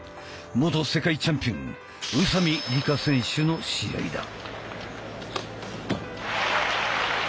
元世界チャンピオン宇佐美里香選手の試合だ。